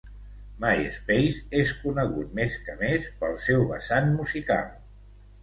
MySpace és conegut més que més pel seu vessant musical.